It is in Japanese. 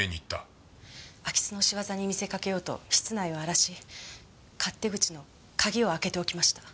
空き巣の仕業に見せかけようと室内を荒らし勝手口の鍵を開けておきました。